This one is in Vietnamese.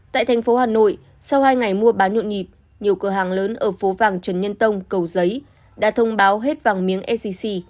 tại thành phố hà nội sau hai ngày mua bán nhộn nhịp nhiều cửa hàng lớn ở phố vàng trần nhân tông cầu giấy đã thông báo hết vàng miếng sgc